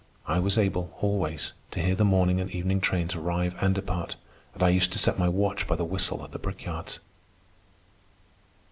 I was able, always, to hear the morning and evening trains arrive and depart, and I used to set my watch by the whistle at the brickyards.